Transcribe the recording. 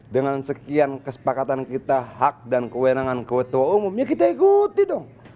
dengan sekian kesepakatan kita hak dan kewenangan ketua umum ya kita ikuti dong